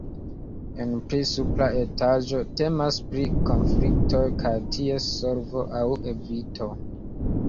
En pli supra etaĝo temas pri konfliktoj kaj ties solvo aŭ evito.